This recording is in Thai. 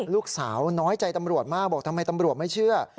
ลูกสาวน้อยใจตำรวจมากบอกทำไมตำรวจไม่เชื่อ